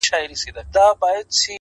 په خيال كي ستا سره ياري كومه!!